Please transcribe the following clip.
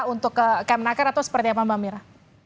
untuk kemnaker atau seperti apa mbak mira